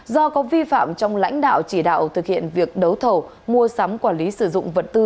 do có vi phạm trong lãnh đạo chỉ đạo thực hiện việc đấu thầu mua sắm quản lý sử dụng vật tư